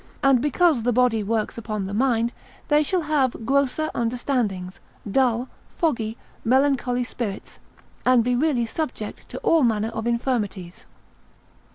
And because the body works upon the mind, they shall have grosser understandings, dull, foggy, melancholy spirits, and be really subject to all manner of infirmities.